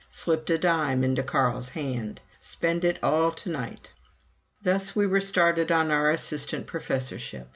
slipped a dime into Carl's hand. "Spend it all to night." Thus we were started on our assistant professorship.